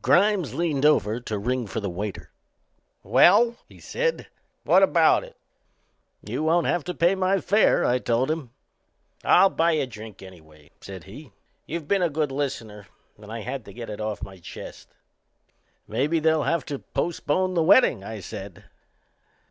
Grimes leaned over to ring for the waiter. "Well," he said, "what about it?" "You won't have to pay my fare," I told him. "I'll buy a drink anyway," said he. "You've been a good listener and I had to get it off my chest." "Maybe they'll have to postpone the wedding," I said.